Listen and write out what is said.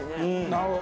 なるほど！